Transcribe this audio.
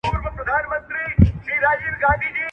باور د ژوند تر ټولو قیمتي شی دی